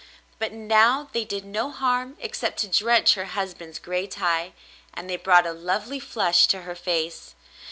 But now they did no harm except to drench her husband's gray tie, and they brought a lovely flush to her face.